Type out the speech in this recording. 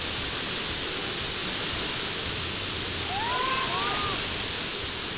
あ怖い！